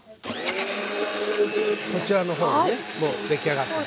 こちらの方にねもう出来上がってます。